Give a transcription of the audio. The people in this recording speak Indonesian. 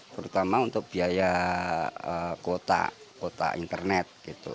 terutama untuk biaya kota kota internet